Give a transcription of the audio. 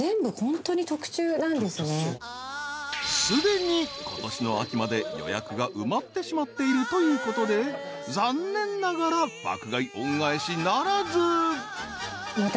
［すでにことしの秋まで予約が埋まってしまっているということで残念ながら爆買い恩返しならず］